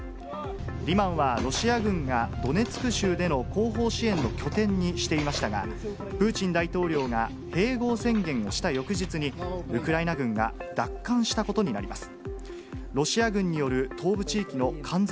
リマンは、ロシア軍がドネツク州での後方支援の拠点にしていましたが、プーチン大統領が併合宣言をした翌日に、ウクライナ軍が奪還したことになります。